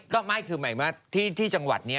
นี่นี่นี่นี่นี่นี่นี่นี่นี่นี่